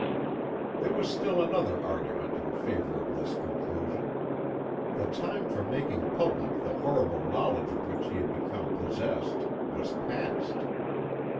There was still another argument in favour of this conclusion. The time for making public the horrible knowledge of which he had become possessed was passed.